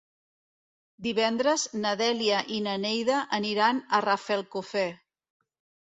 Divendres na Dèlia i na Neida aniran a Rafelcofer.